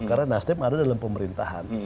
karena nasdem ada dalam pemerintahan